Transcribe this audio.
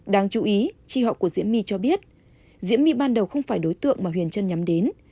đáng chú ý tri họ của diễm my cho biết diễm my ban đầu không phải đối tượng mà huyền trân nhắm đến